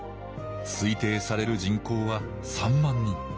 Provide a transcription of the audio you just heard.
推定される人口は３万人。